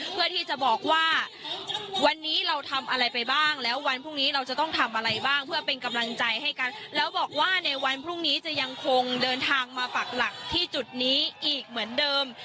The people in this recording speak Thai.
เพื่อที่จะบอกว่าวันนี้เราทำอะไรไปบ้างแล้ววันพรุ่งนี้เราจะต้องทำอะไรบ้างเพื่อเป็นกำลังใจให้กันแล้วบอกว่าในวันพรุ่งนี้จะยังคงเดินทางมาปักหลักที่จุดนี้อีกเหมือนเดิม